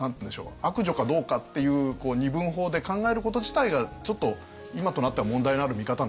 悪女かどうかっていう二分法で考えること自体がちょっと今となっては問題のある見方なのかなと思いますよね。